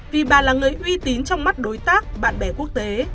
vì bà là người uy tín trong mắt đối tác bạn bè quốc tế